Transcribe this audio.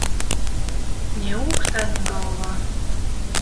Ni ūkstā, ni golvā.